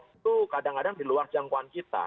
itu kadang kadang di luar jangkauan kita